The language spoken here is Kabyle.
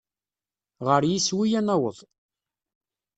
Ɣer yiswi ad naweḍ.